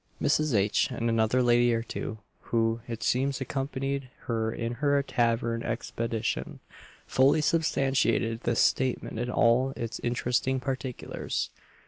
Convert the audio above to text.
Mrs. H., and another lady or two, who, it seems, accompanied her in her tavern expedition, fully substantiated this statement in all its interesting particulars.